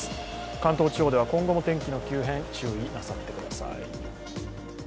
関東地方では今後も天気の急変、注意をなさってください。